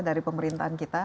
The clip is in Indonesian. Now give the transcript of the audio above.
dari pemerintahan kita